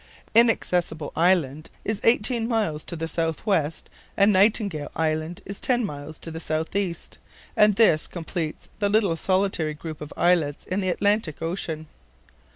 Inaccessible Island is eighteen miles to the southwest and Nightingale Island is ten miles to the southeast, and this completes the little solitary group of islets in the Atlantic Ocean.